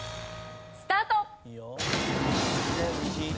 スタート！